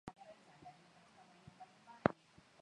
watatu wa muziki walikuwa wameajiriwa kwenye meli ya titanic